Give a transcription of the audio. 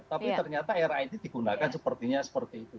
tapi ternyata era ini digunakan sepertinya seperti itu